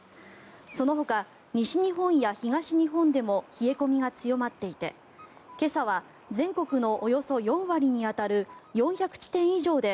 そのほか西日本や東日本でも冷え込みが強まっていて今朝は全国のおよそ４割に当たる４００地点以上で